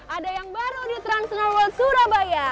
ada yang baru di trans snor world surabaya